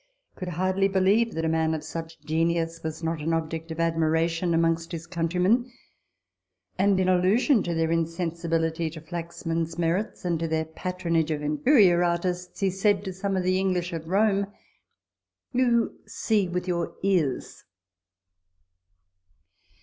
could hardly believe that a man of such genius was not an object of admiration among his countrymen ; and, in allusion to their insensibility to Flaxman's merits and to their patronage of inferior artists, he said to some of the English at Rome, " You see with your ears